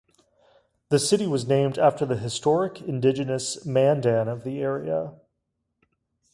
The city was named after the historic indigenous Mandan of the area.